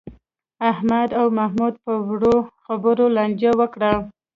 احمد او محمود په وړو خبرو لانجه وکړه.